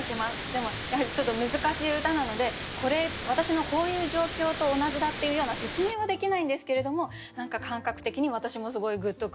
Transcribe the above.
でもやはりちょっと難しい歌なのでこれ私のこういう状況と同じだっていうような説明はできないんですけれども何か感覚的に私もすごいグッと来る歌でした。